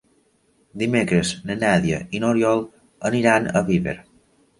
Dimecres na Nàdia i n'Oriol aniran a Viver.